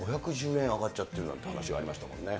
５１０円上がっちゃってるという話ありましたもんね。